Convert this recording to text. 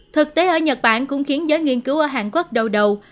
thực tế ở nhật bản cũng khiến giới nghiên cứu ở hàn quốc đau đầu